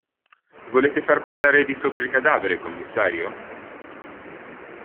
Volete far portare di sopra il cadavere, commissario?